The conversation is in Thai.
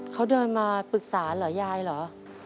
เขาเดินมาปรึกษาเหรอยายเหรอ